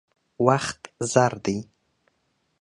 وخت زر دی.